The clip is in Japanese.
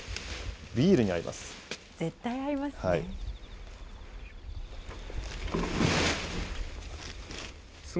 ビールに合います。